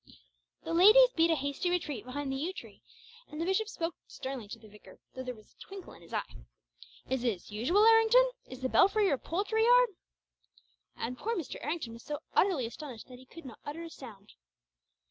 The ladies beat a hasty retreat behind the yew tree, and the bishop spoke sternly to the vicar, though there was a twinkle in his eye. "Is this usual, Errington? Is the belfry your poultry yard?" And poor Mr. Errington was so utterly astonished that he could not utter a sound.